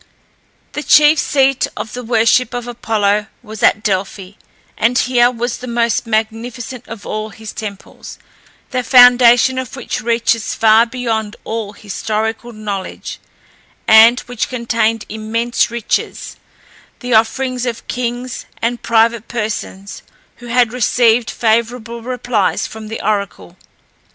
The chief seat of the worship of Apollo was at Delphi, and here was the most magnificent of all his temples, the foundation of which reaches far beyond all historical knowledge, and which contained immense riches, the offerings of kings and private persons, who had received favourable replies from the oracle.